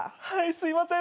すいません。